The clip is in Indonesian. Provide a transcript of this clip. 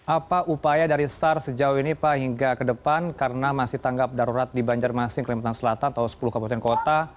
apa upaya dari sar sejauh ini pak hingga ke depan karena masih tanggap darurat di banjarmasin kalimantan selatan atau sepuluh kabupaten kota